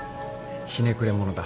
ひねくれ者だ。